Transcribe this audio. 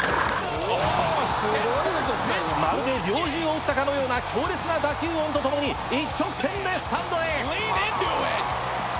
まるで猟銃を撃ったかのような強烈な打球音とともに一直線でスタンドへ。